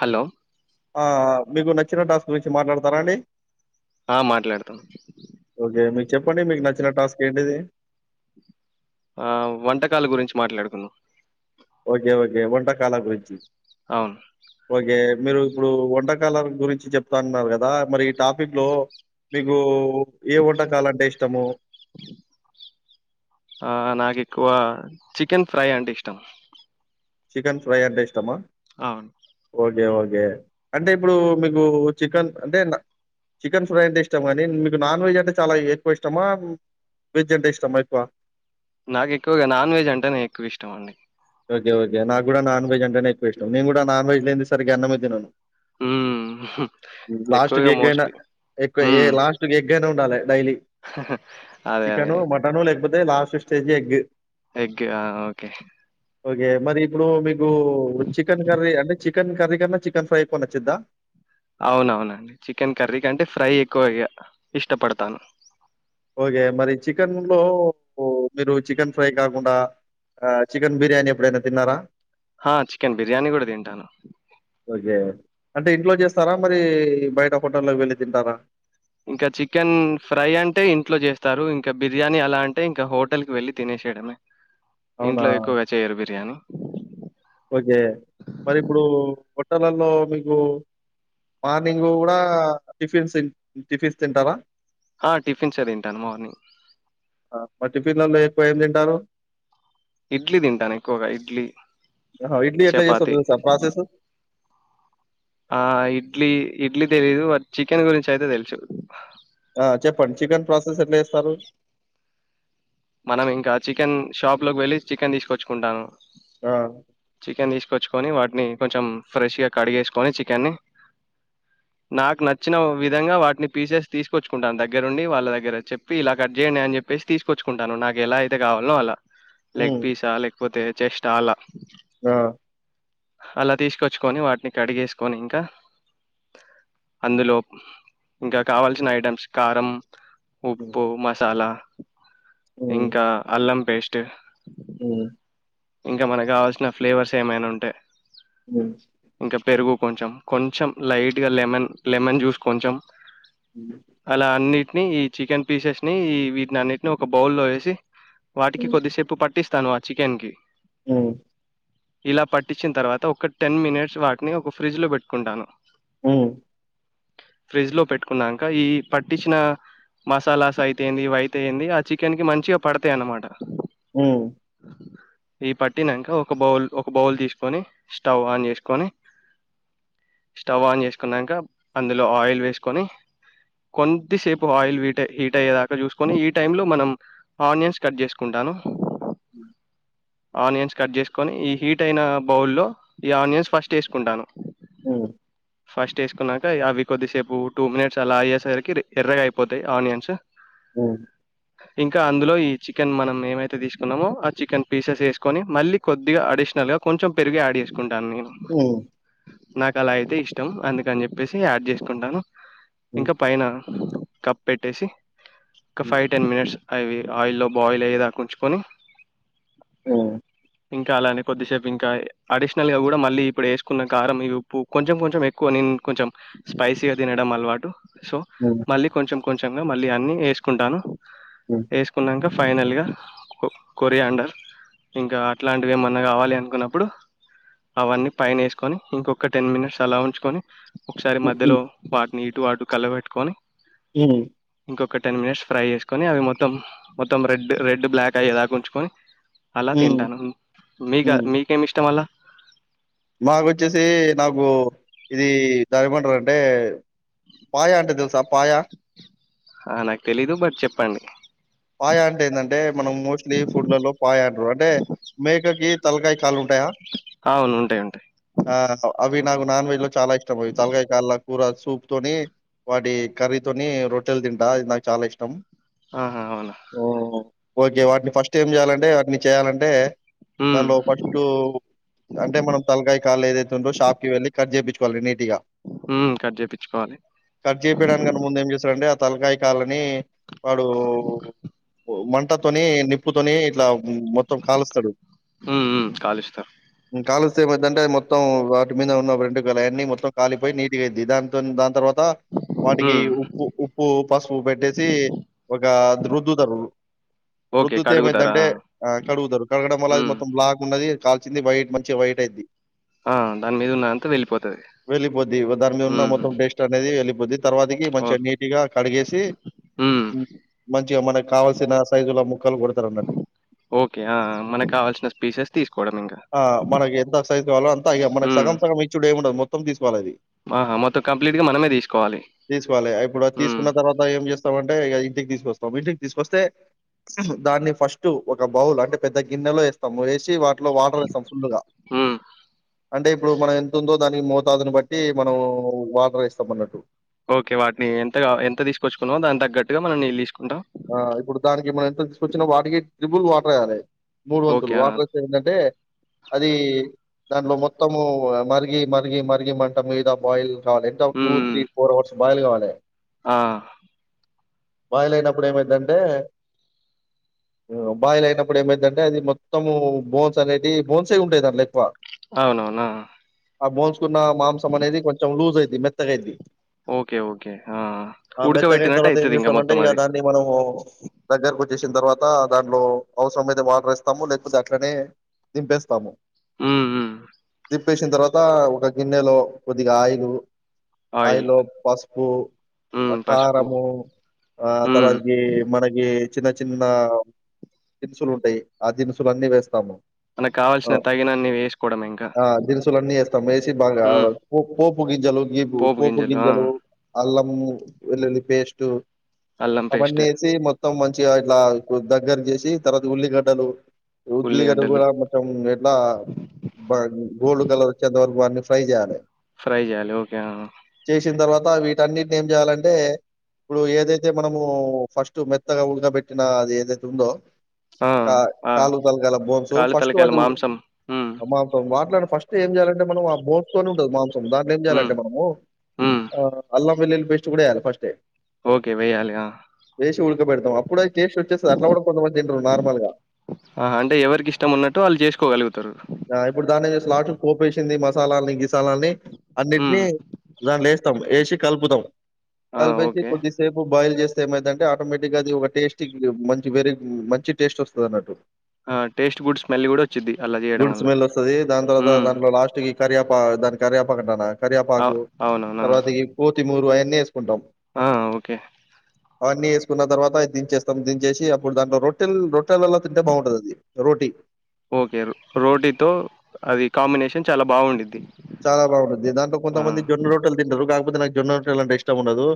Hello ఆ మీకు నచ్చిన టాస్క్ గురించి మాట్లాడతారా అండి ఆ మాట్లాడతాను ఓకే మీకు చెప్పండి మీకు నచ్చిన టాస్క్ ఏంటిది ఆ వంటకాల గురించి మాట్లాడుకుందం ఓకే ఓకే వంటకాల గురించి అవును కే మీరు ఇప్పుడు వంటకాల గురించి చెప్తాన్నారు కదా మరి ఈ టాపిక్ లో మీకు ఏ వంటకాలంటే ఇష్టము ఆ నాకు ఎక్కువ చికెన్ ఫ్రై అంటే ఇష్టం చికెన్ ఫ్రై అంటే ఇష్టమా అవును ఓకే ఓకే అంటే ఇప్పుడు మీకు చికెన్ అంటే చికెన్ ఫ్రై అంటే ఇష్టమానీ మీకు నాన్ వెజ్ అంటే చాలా ఎక్కువ ఇష్టమా వెజ్ అంటే ఇష్టమా ఎక్కువ నాకు ఎక్కువుగా నాన్ వెజ్ అంటే నే ఎక్కువ ఇష్టం అండి ఓకే ఓకే నా కూడా నాన్ వెజ్ అంటేనే ఎక్కువ ఇష్టం నేను కూడా నాన్ వెజ్ లేనీదే సరిగా అన్నమే తిన్నను హ్మ్ లాస్ట్ కే ఎక్కువగా ఎగ్ అయినా మోస్ట్లీ ఎకు హ్మ్ లాస్ట్ కి ఎగ్ ఎగ్ అయినా ఉండాలే డైలీ అదే అదే చికెను మటను లేకపోతే అదే లాస్ట్ స్టేజ్ ఎగ్ ఎగ్ ఆ ఓకే ఓకే మరి ఇప్పుడు మీకు చికెన్ కర్రీ అంటే చికెన్ కర్రీ కన్నా చికెన్ ఫ్రై ఎక్కువ నచ్చిదా అవునవునండి చికెన్ కర్రీ కంటే ఫ్రై ఎక్కువగా ఇష్టపడతాను ఓకే మరి చికెన్ లో మీరు చికెన్ ఫ్రై కాకుండా చికెన్ బిర్యానీ ఎప్పుడైనా తిన్నారా హ్మ్ చికెన్ బిర్యానీ కూడా తింటాను ఓకే అంటే ఇంట్లో చేస్తారా మరి బయట హోటల్లోకి వెళ్ళి తింటారా ఇంకా చికెన్ ఫ్రై అంటే ఇంట్లో చేస్తారు ఇంకా బిర్యానీ అలా అంటే ఇంకా హోటల్కి వెళ్ళి తినేసేయడమే అవునా ఇంట్లో ఎక్కువగా చేయరు బిర్యానీ హోటలలో మీకు మార్నింగ్ కూడా టిఫిన్స్ టిఫిన్స్ తింటారా ఆ టిఫిన్ చదింటాను మార్నింగ్ పిల్లలు ఎక్కువ ఏం తింటారు ఇడ్లీ తింటాను ఎక్కువగా ఇడ్లీ ఇడ్లీ ఎట్లా చపాతి చేస్తారు ప్రాసెస్ ఆ ఇడ్లీ ఇడ్లీ తెలీదు బట్ చికెన్ గురించి అయితే తెలుసు ఆ చెప్పండి చికెన్ ప్రాసెస్ ఎట్లా చేస్తారు మనం ఇంకా చికెన్ షాప్ లోకి వెళ్ళి చికెన్ తీసుకొచ్చుకుంటాను ఆ చికెన్ తీసుకొచ్చుకొని వాటిని ఫ్రెష్ గా కడిగేసుకుని చికెన్ ని నాకు నచ్చిన విధంగా పీసెస్ తీసుకొచ్చుకుంటాను దగ్గరుండి ఇలా కట్ చేయడం అని చెప్పి తీసుకొచ్చుకుంటాను నాకు ఎలా అయితే కావాలో అలా లెగ్ హ్మ్. పిసా లేక లేకపోతే జస్ట్ అలా గా అలా తీసుకొచ్చుకొని వాటిని కడిగేసుకొని ఇంకా అందులో ఇంకా కావాల్సిన ఐటమ్స్ కారం హ్మ్. ఉప్పు మసాలా ఇంకా అల్లం పేస్ట్ ఉ ఇంకా మనకు కావాల్సిన ఫ్లేవర్స్ ఏమైనా ఉంటే హ్మ్. ఇంక పెరుగు కొంచెం కొంచెం లైట్గా లెమన్ లెమన్ జ్యూస్ కొంచెం హ్మ్. అలా అన్ని వీటిని ఈ చికెన్ పీసెస్ ని ఈ వీటినన్నిటిని ఒక బౌల్ లో వేసి వాటికి కొద్దిసేపు పట్టిస్త వస్తున్నావా చికెన్ కి ఊ ఇలా పట్టిచ్చిన తర్వాత ఒక టెన్ మినిట్స్ వాటిని ఒక ఫ్రిడ్జ్ లో పెట్టుకుంటాను ఊ ఫ్రిడ్జ్ లో పెట్టుకున్నాక ఈ పట్టించిన మసాలాస్ అయితే ఏంది ఇవి అయితేయంది ఆ చికెన్ కి మంచిగా పడతాయి అన్నమాట ఊ ఈ పట్టినాక ఒక బౌల్ ఒక బౌల్ తీసుకొని స్టవ్ ఆన్ చేసుకొని స్టవ్ ఆన్ చేసుకున్నాక అందులో ఆయిల్ వేసుకొని కొద్దిసేపు ఆయిల్ వీట్ హీట్ అయ్యేదాకా చూసుకొని ఈ టైంలో మనం ఆనియన్స్ కట్ చేసుకుంటాను ఊ ఆనియన్స్ కట్ చేసుకొని ఈ హీట్ అయిన బౌల్ లో ఈ ఆనియన్స్ ఫస్ట్ వేసుకుంటాను ఊ ఫస్ట్ వేసుకున్నాక అవి కొద్దిసేపు టూ మినిట్స్ అలా అయ్యేసరికి ఎర్రగా అయిపోతాయి ఆనియన్స్ ఊ ఇంకా అందులో ఈ చికెన్ మనం ఏమైతే తీసుకున్నామో ఆ చికెన్ పీసెస్ వేసేస్తా కొని మళ్ళీ కొద్దిగా అడిషనల్గా కొంచెం పెరిగి యాడ్ చేసుకో తీసుకుంటాను నేను హ్మ్. నాకు అలా అయితే ఇష్టం అందుకని చెప్పేసి అది చేసుకుంటాను హ్మ్. ఇంక పైన కప్పెటేసి ఒక హ్మ్. ఫైవ్ టెన్ మినిట్స్ అవి ఆయిల్లో బాయిల్ అయ్యేదాక ఉచుకొని ఉ ఇంకా అలానే కొద్దిసేపు ఇంకా అడిషనల్ గా కూడా మళ్ళీ ఇప్పుడు వేసుకున్న కారం ఈ ఉప్పు కొంచెం కొంచెం ఎక్కువ ని కొంచెం స్పైసీగా తినడం అలవాటు సో హ్మ్. మళ్ళీ కొంచెం కొంచెం మళ్ళీ అన్ని వేసుకుంటాను హ్మ్. వేసుకున్నాంక ఫైనల్గా కొ కొరియాండర్ ఇంకా అట్లాంటివి ఏమన్నా కావాలి అనుకున్నప్పుడు అవన్నీ పైన వేసుకొని ఇంకొక టెన్ మినిట్స్ అలా ఉంచుకొని ఒకసారి మధ్యలో వాటిని ఇటు అటు కలవెట్టుకొని ఉ ఒక టెన్ మినిట్స్ ఫ్రై చేసుకొని అవి మొత్తం మొత్తం రెడ్ రెడ్ బ్లాక్ అయ్యే దాగా ఉంచుకొని అలా హ్మ్. తింటాను మీకు హ్మ్. మీకేమి ఇష్టం అలా మాకొచ్చేసి నాకు ఇది దాని ఏమంటారంటే పాయా అంటే తెలుసా పాయా ఆ నాకు తెలీదు బట్ చెప్పండి పాయ అంటే ఏందంటే మనం మోస్ట్లీ ఫుడ్లలో పాయ అంటారు అంటే మేకకి తలకాయ కాలు ఉంటాయా అవును ఉంటాయి ఉంటాయి ఆ అవ్ వీటిని నాకు నాన్వెజ్ లో చాలా ఇష్టం పోయి తలకాయి కాళ్ళ కూర సూప్ తోని వాటి కర్రీ తోని రొట్టెలు తింటా అది నాకు చాలా ఇష్టం ఆహా అవునా ఓహ్! ఓకే వాటిని ఫస్ట్ ఏం చేయాలంటే వాటిని చేయాలంటే హ్మ్ దానిలో ఫస్ట్ అంటే మనం తలకాయ కాలు ఏదైతే ఉందో షాప్ కి వెళ్ళలి కట్ చేపిచు వాళ్ళని ఇగ హ్మ్ కట్ చేపిచ్చుకోవాలి కట్ చేపియడానికన్నా ముందు ఏం చేస్తారంటే తలకాయ కాలని వాడు వంటతోని నిప్పుతోని ఇట్లా మొత్తం కాలుస్తడు హ్మ్ హ్మ్ కాలుస్తారు ఉ కాలుస్ షర్బత్ అంటే మొత్తం వాటి మింద ఉన్న వెంట్రుకలన్నీ మొత్తం కాలిపోయి నీటిగాయిద్ది దాంతోన్ దాని తర్వా త వాటికి హ్మ్ ఉప్పు ఉప్పు పసుపు పెట్టేసి ఒక దృ రుద్దరు ఓకే రుద్దుతే కడుగుతారా ఏమైందంటే కడుగుతారు కడగడం వల్లది హ్మ్ మొత్తం బ్లాక్ ఉన్నది కాల్చింది వైట్ మంచి వైట్ అయిది ఆ దాని మీద ఉన్న అంతా వెళ్ళిపోతది వెళ్ళిపోద్ది దాని మీద ఉన్న హ్మ్ మొత్తం టేస్ట్ అనేది ఎళ్ళి తర్వాతకి ఓ మంచిగా నీట్గా కడిగేసి హ్మ్ మంచిగా మనకి కావాల్సిన సైజులో ముక్కలు కొడతర్ అన్నట్టు ఓకే ఆ ఆ! మనకు కావాల్సిన పీసెస్ తీసుకోవడం ఇంకా ఆ మనకి ఎంత సైజ్ కాలంలొ అంత ఇగ మనక్ హ్మ్ సగం సగం ఇచ్చుడే ఉండెముండదు మొత్తం తీ కోవలది ఆహా మొత్తం కంప్లీట్‌గా మనమే తీసుకోవాలి తీసుకోవాలి ఇప్పుడు హ్మ్ తీసుకున్న తర్వాత ఏం చేస్త మొత్తం అంటే ఇంటికి తీసుకస్తం ఇంటికి తీసుకొస్తే దాన్ని ఫస్ట్ ఒక బౌల్ అంటే పెద్ద గిన్నెలో వేస్తాము వేసి వాటిలో వాటర్ వేస్తాం ఫుల్గా హ్మ్ అంటే ఇప్పుడు మనం ఎంతు ఉందో దానికి మోతాజుని బట్టి మనం వాటర్ వేస్తాం అన్నట్టు ఓకే వాటిని ఎంత ఎంత తీసుకొచ్చుకున్నాో దాని తగ్గట్టుగా మనం నిీళు తీసుకుంటాం ఆ ఇప్పుడు దానికి మనం ఎంత తీసుకొచ్చినా వాటికి ట్రిపుుల్ వాటర్ వెయ్యాలి మూడు వంతులు ఓకే ఆ వాటర్ వస్తే ఏంటంటే అది దాంట్లో మొత్తము మరిగి మరిగి మరిగి మంట మీదా బాయిల్ కావలే ఎంత టూ హ్మ్ త్రీ ఫోర్ అవర్స్ బాయిలు కావాలి ఆ బాయిల్ అయినప్పుడు ఏమైందంటే బాయిల్ అయినప్పుడు ఏమైందంటే అది మొత్తము బోన్స్ అనేటి బోన్సే ఉంటాయి దాంట్లో ఎక్కువ అవునవునా ఆ బోన్స్కున్న మాంసం అనేది కొంచెం లూజ్ అయిది మెత్తగాైది ఓకే ఓకే ఆ ఉుడ్క వట్ నట్ట అయితుదిింకా మొత్తం ంటే ఇ అది. దాన్ని మనము దగ్గర వచ్చేసిన తర్వాత దాంట్లో అవసరం అయితే వాటర్ వేస్తాము లేకపోతే అట్లనే దింపేస్తాము ఈ ఉ ఉప్పేసిన తర్వాత ఒక గిన్నెలో కొద్దిగా ఆయిలు ఆయిల్. అయిలో పసుపు హ్మ్. పసుపు. కారము హ్మ్. తర్వాతకి మనకి చిన్న చిన్న దినుసులు ఉంటాయి ఆ దినుసుల అన్నీ వేస్తాము మనకు కావాల్సిన తగినన్ని వేసుకోవడమే ఇంకా. ఆ దినుసులు అన్నీ వేస్తాం వేసి బాగా హ్మ్. పోపు గింజలు గీపు పోపు గింజలు అల్లం ము వెల్లుల్లి పేస్ట్టు అల్లం పేస్ట్, అవన్నీ వెసి మొత్తం మంచిగా ఇట్లా దగ్గర చేసి తర్వాత ఉల్లిగడ్డలు ఉల్లిగడ్డలు కూడా మొత్తం ఎట్లా గోల్డ్ కలర్చ్చంతవరకు అన్ని ఫ్రై చేయాలి ఫ్రై చేయాలి ఓకే వీటన్నింటిని ఏం చేయాలంటే ఇప్పుడు ఏదైతే తే మనము ఫస్ట్ మెత్తగా ఉడకబెట్టిన అది ఏదైతే ఉందో ఆ! కా ఆ! కాలుతలగల బోన్సు కాళ్ళు, ఫస్ట్ తలకాయల అది మాంసం. హ్మ్. అమ్మాతో మాట్లాడు ఫస్ట్ ఏం చేయాలంటే మనం ఆ బోన్స్తోనే ఉంటది మాం దాంట్లా ఎం హ్మ్. చేయాలండి మనము హ్మ్. ఆ అల్లం వెల్లుల్లి పేస్ట్ కూడా అ ఫస్ట్ే ఓ వేసి ఉడకపెడతాం అప్పుడ అవి టేస్ట్ వచ్చేస్తది అట్లా కూడా కొంతమంది తీనరు నార్మల్గా ఆహా! అంటే ఎవరికిష్టమున్నట్టు వాళ్ళు జేసుకోగలుగుతారు. ఇప్పుడు దాన్ని లాస్ట్ పోప్ వేసింది మస్ స్తాలాల్ నీకీస్ తలనీ హ్మ్. అన్నింటిని దాంట్లో ఎస్తాం ఎసి కలుపుతాం ఆ! కలిపేసి ఓకే. కొద్దిసేప్ బాయిల్ చేస్తే ఏమైందంటే ఆటోమేటిక్గా అది ఒక టేస్టీ మంచి వేరే మంచి టేస్ట్ వస్తుంది అన్నట్టు ఆ టేస్ట్ గుడ్ స్మెల్ కూడా వచ్చిది అలా చేయడం గుడ్ వల్ల హ్మ్ కరియపా దాన్ని కరేపాకు అంటన్నా అవ్ కరియాపాకు అవునవును. తర్వాత ఈ కోతి మూరు అయ అన్ని ఎసుకుంటాం ఆ! ఆ! ఓకే. అన్ని ఎస్ కున్న తర్వాత దించేస్తాం దించేసి అప్పుడు దంట్లో రోటల్ రో ఓకే రోటీతో అది కాంబినేషన్ చాలా బాగుండిద్ది చాలా బాగుండిద్ది దాంట్లో కొంతమంది జొన్నలు రోట్టలు తింటారు కా పోతే నాకు జొన్న రొట్టలు అంటే ఇష్టం ఉండదు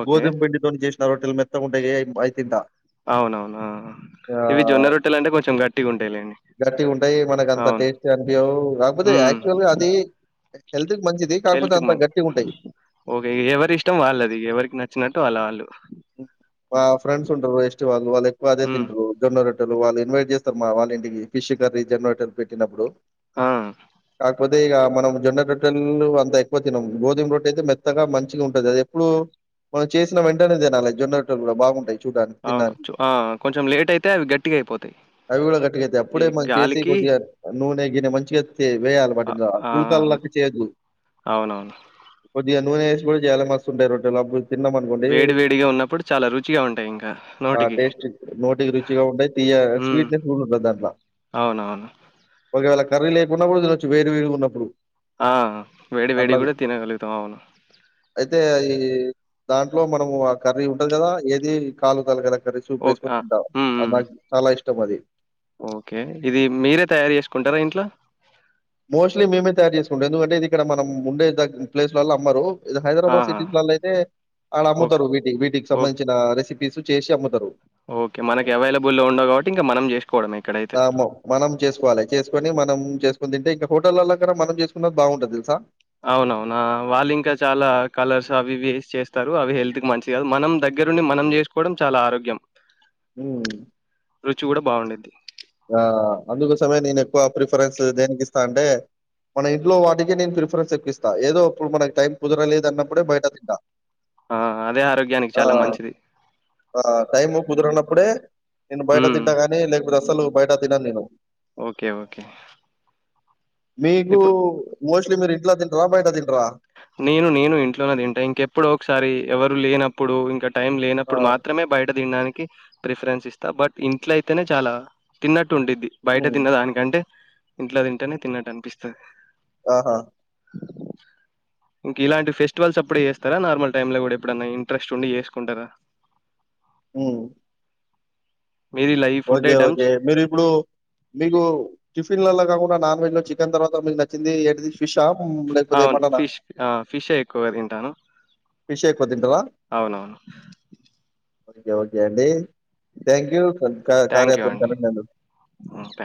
ఓకే. గోధుమ పిండి తోని జేస్ నా రోట్టలు మెత్తగా ఉంటాయే అవి తింటా అవునవును. ఆ! ఆ! ఆ ఇవి జొన్న రొట్టెలంటే కొంచెం గట్టిగుంటాయిలెండి. గట్టి ఉంటాయి మనకు అంత అవును. టేస్ట్ అనిపియావు కాకపోతే యాక్చువల్గా అది ఎ ఎల్ప్ హెల్త్ కి మం ఓకే ఎవరి ఇష్టం వాళ్ళది ఎవరికి నచ్చినట్టు వాళ్ళ వాళ్ళు మా ఫ్రెండ్స్ ఉంటారు ఎస్టి వాళ్ళు వాళ్ళు ఎక్కువ అదే హ్మ్. తింట్రరు జొన్న రో ట్టలు వాళ్ళు ఇన్వైట్ చేస్తారు మా వాళ్ళ ఇంటికి ఫిష్ కర్రీ జోన్న రొట్టలు పెట్టినప్పుడు ఆ! అ కాకపోతే ఇగ మనం జోన్న రొట్టెలు అంత ఎక్కువ తినం గోధుమ రొట్ అయితే మెత్తగా మంచిగా ఉంటది అది ఎప్పుడు మనం చేసిన వెంటనే తినాలా జోన్న రొట్టలు కూడా బాగుంటాయి చూడ్డానికి, అవును తినడానికి. చు ఆ కొంచెం లేట్ అయితే అవి గట్టిగా అయిపోతాయి అవి కూడా గట్టిగయితాయి. ఈ గాలికి ఇడినే మంచిగెత్ సె వేయాలి వాటి అ ఇందులో ఆ! పులకాల చేయొద్దు అవునవును. కొద్దిగా నూనే వేసి కూడా చెయ్యాలి మస్తు ఉంటాయి రొట్టేలు అప్పుడు తిన్నాం అనుకోండి వేడి వేడిగా ఉన్నప్పుడు చాలా రుచిగా ఉంటాయి ఇంకా ఆ నోటికి. టేస్ట్ నోటికి రుచిగా ఉంటాయి తీయ హ్మ్. స్వీట్నెస్ కూడా ఉండదు దాంట్లో అవునవును. ఒకవేళ కర్రీ లేకున్నా కూడా తినచ్చు వేడి వేడి గా ఉన్నప్పుడు. ఆ వేడి వేడి ఉంటే తినగలుగుతాం. అవును. అయితే ఈ దాంట్లో మనము. కర్రీ ఉంటది కదా, ఏది కాలు తల కద కర్రి సూప్ ఓకే. వేసుకొ ఆ! తింటా. హ్మ్. అది హ్మ్. నాకు చాలా ఇష్టం. ఇత్తమది [unintelligible] ఓకే, ఇది మీరే తయారు చేసుకుంటారా ఇంట్లో. మోస్ట్లీ మేమే తయారు చేసుకుంటాం. ఎందుకంటే ఇది ఇక్కడ మనం ఉండే ప్లేస్లలో అమ్మరు. ఇది హైదరాబాద్ ఆహా! సిటీల్లలో అయితే ఆడ ఓకే. అమ్ముతారు వీటికి వీటికి ఓకే. సంబంధించిన రెసిపీ. [unintelligible] చేసి అమ్మతారు ఓకే, మనకి అవైలబుల్లో ఉండవు కాబట్టి ఇంకా మనం చేసుకోవడం ఇక్కడైతే. ఆ! మ మనం చేసుకోవాలి. చేసుకొని మనం చే కొని తింటే ఇంకా హోటల్ల దగ్గర మనం చేసుకున్నది బాగుంటాది తెల్సా. అవునవును. వాళ్ళు ఇంకా ఆ చాలా కలర్స్ అవి వేసి చేస్తారు. అవి హెల్త్ కి మంచి కాదు. మనం దగ్గరుండి మనం చేసుకోవడం చాలా ఆరోగ్యం. హ్మ్! రుచి కూడా బాగుండేది. ఆ! అందుకోసమే నేను ఎక్కువ ప్రిఫరెన్స్ దేనికిస్తా అంటే మన ఇంట్లో వాటికే నేను ప్రిఫరెన్స్ ఎక్కవిస్తా, ఏదో ఇప్పుడు మనకి టైం కుదరలేదు అన్నప్పుడే బయట తింటా. ఆ! అదే ఆరోగ్యానికి ఆ చాలా మంచిది. ఆ టైం కుదరనప్పు అప్పుడే నేను బయట హ్మ్. తింటాగాని లే అసలు [unintelligible] బయట తినను నేను. ఓకే. ఓకే. మీకు ఇప్పుడు మోస్ అంటే మీరు ఇంట్లా తింటారా బయట తింటారా? నేను నేను ఇంట్లోనే తింటా. ఇంకెప్పుడు ఒకసారి ఎవరు లేనప్పుడు ఇంక. టైం ఆ లేనప్పుడు మాత్రమే, బయట తినడానికి ప్రిఫరెన్స్ ఇస్తా బట్ ఇంట్లో అయితేనే చాలా తిన్నట్టు. ఉంటుద్ది. బయట హ్మ్ తిన్న దానికంటే. ఇంట్లో తింటేనే తిన్నట్టు అనిపిస్తాది. ఆహా! ఇలాంటి ఫెస్టివల్స్ అప్పుడే చేస్తారా? నార్మల్ టైమ్ లో కూడా ఎప్పుడన్నా ఇంట్రెస్ట్ ఉండి చేసుకుంటారా? హ్మ్! మీరు ఇలా ఈ ఫుడ్ ఓకే, ఓకే, ఐటమ్స్ మీరు ఇప్పుడు మీకు టిఫిన్ లోలా కాకుండా నాన్ వెజ్ లో చికెన్ తర్వాత మీకు నచ్చింది ఏటిది? అవును ఫిష్ ఆ ఫిష్ ఏ ఎక్కువగా తింటాను ఫిష్ ఎక్కువ తింటావా? అవునవును. ఓకే, ఓకే అండి థ్యాంక్ యూ. కధు అక్క థ్యాంక్ యూ అండి రేపు థ్యాంక్